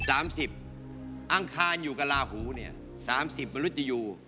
๓๐อ้างคาอยู่กับราหูเนี่ย๓๐มนุษย์อยู่